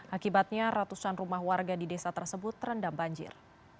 akibatnya ratusan rumah warga di desa tersebut terendam banjir